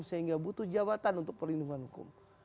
sehingga butuh jabatan untuk perlindungan hukum